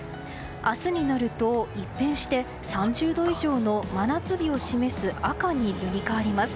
明日になると一転して３０度以上の真夏日を示す赤になります。